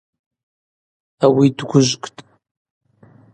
Ауи дгвыжвкӏтӏ.